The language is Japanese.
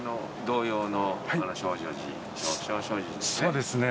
そうですね。